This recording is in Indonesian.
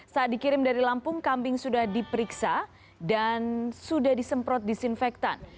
saat dikirim dari lampung kambing sudah diperiksa dan sudah disemprot disinfektan